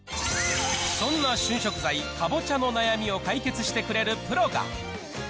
そんな旬食材、かぼちゃの悩みを解決してくれるプロが。